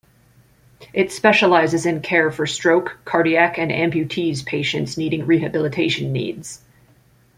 It specializes in care for stroke, cardiac and amputees patients needing rehabilitation needs.